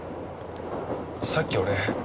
さっき俺。